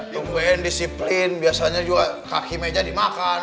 kemudian disiplin biasanya juga kaki meja dimakan